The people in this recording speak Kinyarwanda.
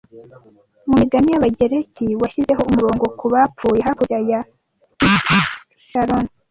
Mu migani y'Abagereki washyizeho umurongo ku bapfuye hakurya ya Styx Charon